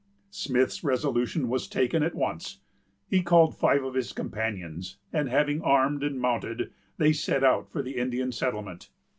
Smith's resolution was taken at once. He called five of his companions; and, having armed and mounted, they set out for the Indian settlement.